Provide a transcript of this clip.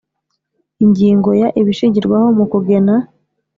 Ingingo ya ibishingirwaho mu kugena